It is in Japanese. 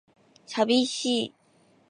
寂しい